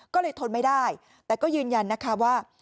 ก็เลยทนไม่ได้แต่ก็ยืนยันนะคะว่า